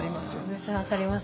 それ分かります。